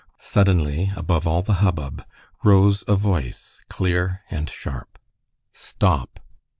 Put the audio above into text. Suddenly, above all the hubbub, rose a voice, clear and sharp. "Stop!"